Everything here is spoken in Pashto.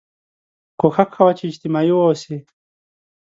کوښښ کوه چې اجتماعي واوسې